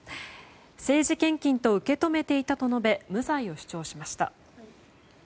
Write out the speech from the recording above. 政治献金と受け止めていたと述べ無罪を主張しました。